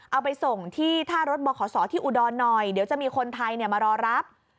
เอาไปส่งที่ท่ารถบขศที่อุดรหน่อยเดี๋ยวจะมีคนไทยมารอรับ